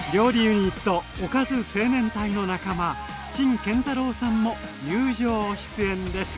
ユニットおかず青年隊の仲間陳建太郎さんも友情出演です！